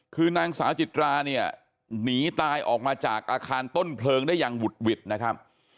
คือนางสาวจิตราเนี่ยหนีตายออกมาจากอาคารต้นเพลิงได้อย่างหุดหวิดนะครับ